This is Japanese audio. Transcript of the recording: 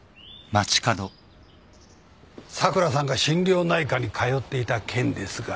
桜さんが心療内科に通っていた件ですがね。